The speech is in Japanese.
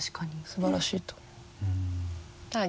すばらしいと思う。